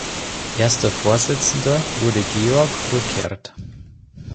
Erster Vorsitzender wurde Georg Rückert.